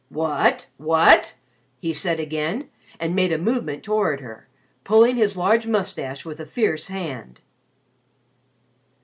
"What! What!" he said again, and made a movement toward her, pulling his large moustache with a fierce hand.